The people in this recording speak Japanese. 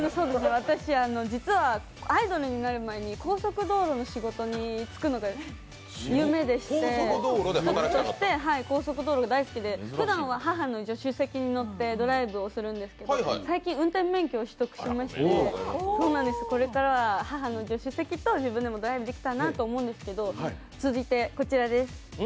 私、実はアイドルになる前に高速道路の仕事に就くのが夢でしてそして、高速道路が大好きでふだんは母の助手席に乗ってドライブをするんですけど、最近、運転免許を取得しましてこれからは母の助手席と自分でもドライブ行こうと思うんですけど続いてこちらです。